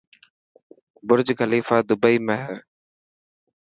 برجخليفا دبئي ۾ هي.